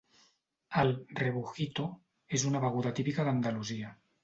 El "rebujito" és una beguda típica d'Andalusia.